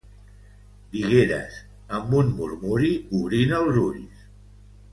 Digueres, amb un murmuri, obrint els ulls.